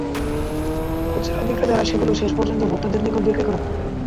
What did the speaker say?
খুচরা বিক্রেতারা সেগুলো শেষপর্যন্ত ভোক্তাদের নিকট বিক্রি করেন।